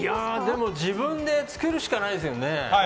でも、自分でつけるしかないですよね。